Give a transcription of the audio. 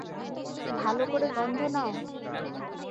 ভালো করে গন্ধ নাও।